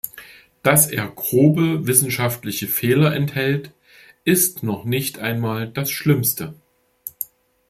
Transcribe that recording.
Dass er grobe wissenschaftliche Fehler enthält, ist noch nicht einmal das Schlimmste.